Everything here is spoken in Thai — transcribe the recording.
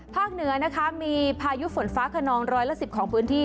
เหนือนะคะมีพายุฝนฟ้าขนองร้อยละ๑๐ของพื้นที่